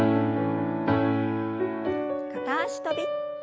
片脚跳び。